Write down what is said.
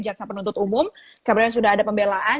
jaksa penuntut umum kemudian sudah ada pembelaan